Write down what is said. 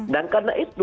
dan karena itu